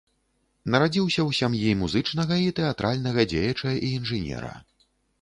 Нарадзіўся ў сям'і музычнага і тэатральнага дзеяча і інжынера.